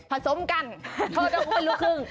ผสมกันโทษนะผมเป็นลูกครึ่ง